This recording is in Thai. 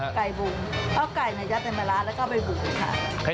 ไก่บุงเอาไก่ในยัดในมะลาแล้วก็เอาไปบุงเลยค่ะ